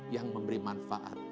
yang memberi manfaat